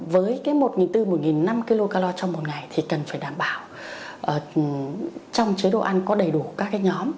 với cái một bốn trăm linh một năm trăm linh kcal trong một ngày thì cần phải đảm bảo trong chế độ ăn có đầy đủ các cái nhóm